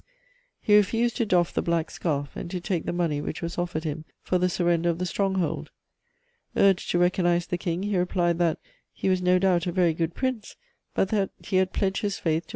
he refused to doff the black scarf and to take the money which was offered him for the surrender of the stronghold. Urged to recognise the King, he replied that "he was no doubt a very good Prince, but that he had pledged his faith to M.